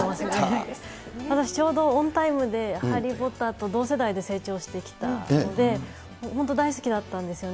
私ちょうどオンタイムでハリー・ポッターと同世代で成長してきたので、本当大好きだったんですよね。